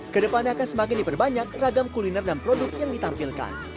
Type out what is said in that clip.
kedepannya akan semakin diperbanyak ragam kuliner dan produk yang ditampilkan